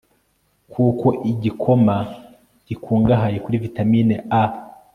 kuko igikoma gikungahaye kuri vitamin a